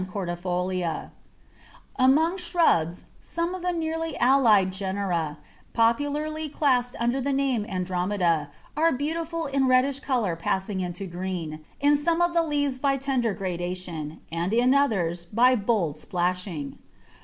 cordifolia_. Among shrubs, some of the nearly allied genera, popularly classed under the name Andromeda, are beautiful in reddish colour passing into green, in some of the leaves by tender gradation, and in others by bold splashing.